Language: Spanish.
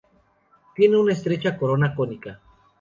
Tiene una estrecha corona cónica.